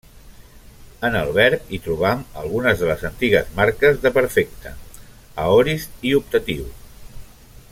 En el verb hi trobam algunes de les antigues marques de perfecte, aorist i optatiu.